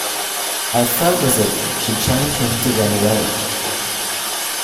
I felt as if she challenged him to run away.